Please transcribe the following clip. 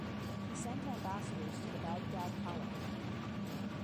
He sent ambassadors to the Baghdad caliph.